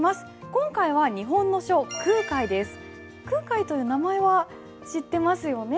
今回は日本の書空海という名前は知ってますよね？